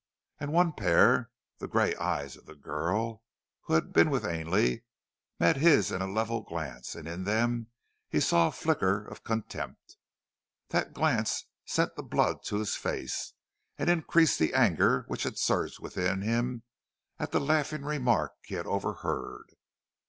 And one pair, the grey eyes of the girl who had been with Ainley, met his in level glance, and in them he saw a flicker of contempt. That glance sent the blood to his face, and increased the anger which had surged within him at the laughing remark he had overheard.